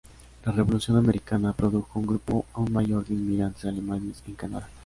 La Revolución Americana produjo un grupo aún mayor de inmigrantes alemanes en Canadá.